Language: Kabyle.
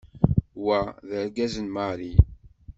Wa d argaz n Mary.